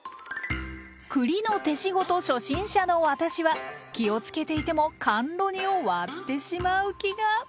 栗の手仕事初心者の私は気をつけていても甘露煮を割ってしまう気が。